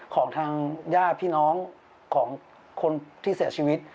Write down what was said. ของทางญาติพี่น้องของคนที่เสียชีวิต